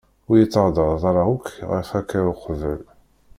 Ur yi-d-tehdireḍ ara yakk ɣef akka uqbel.